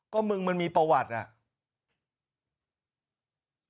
ก็มึงมันมีประวัติอ่ะ